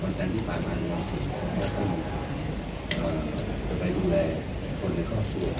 วันจันทร์ที่ผ่ามาในวันสุดเอ่อจะไปดูแลคนในครอบครัว